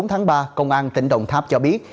ngày hai mươi bốn tháng ba công an tỉnh đồng tháp cho biết